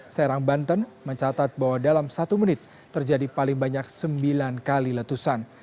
serang banten mencatat bahwa dalam satu menit terjadi paling banyak sembilan kali letusan